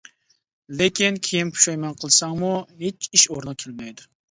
لېكىن كېيىن پۇشايمان قىلساڭمۇ ھېچ ئىش ئورنىغا كەلمەيدۇ.